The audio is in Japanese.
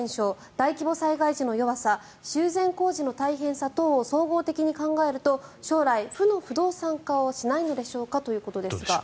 大規模災害時の弱さ修繕工事の大変さ等を総合的に考えると将来、負の不動産化はしないのでしょうか？